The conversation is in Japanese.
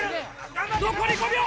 残り５秒！